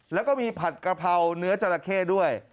แล้วก็มีผัดกะเพราเนื้อจราเข้ด้วย